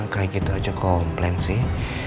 kayak gitu aja komplain sih